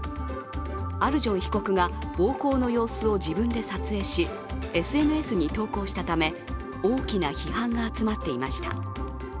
アルジョン被告が暴行の様子を自分で撮影し、ＳＮＳに投稿したため大きな批判が集まっていました。